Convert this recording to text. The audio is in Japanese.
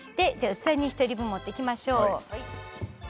器に１人分盛っていきましょう。